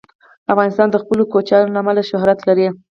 افغانستان د خپلو کوچیانو له امله شهرت لري.